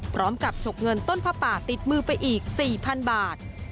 พร้อมกับฉกเงินต้นพระป่าติดมือไปอีก๔๐๐๐บาท